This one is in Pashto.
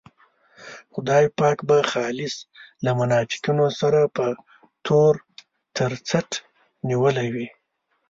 خدای پاک به خالص له منافقینو سره په تور تر څټ نیولی وي.